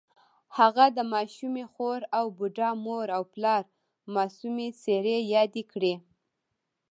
هغه د ماشومې خور او بوډا مور او پلار معصومې څېرې یادې کړې